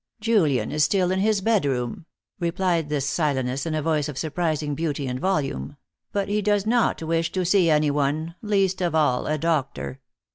"Julian is still in his bedroom," replied this Silenus in a voice of surprising beauty and volume; "but he does not wish to see anyone, least of all a doctor."